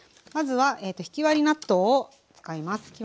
まずはひき割り納豆を使います。